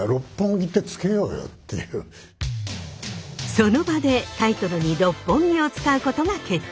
その場でタイトルに「六本木」を使うことが決定。